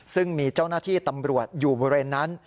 ซึ่งมีเจ้าหน้าที่ตำรวจอยู่บริเวณนั้น